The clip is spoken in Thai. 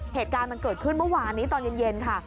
เหตุการณ์มันเกิดขึ้นเมื่อวานนี้ตอนเย็นค่ะ